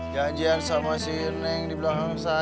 janjian sama si nenek di belakang saya